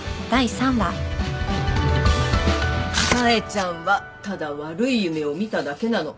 冴ちゃんはただ悪い夢を見ただけなの。